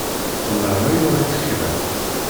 Wellah ma yuɣ-itt kra.